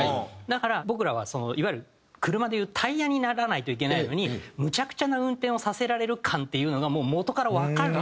だから僕らはいわゆる車でいうタイヤにならないといけないのにむちゃくちゃな運転をさせられる感っていうのがもう元からわかる。